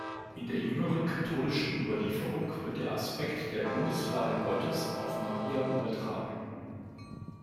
In der jüngeren katholischen Überlieferung wird der Aspekt der "Bundeslade Gottes" auf Maria übertragen.